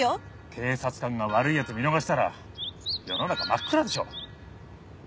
警察官が悪い奴を見逃したら世の中真っ暗でしょ。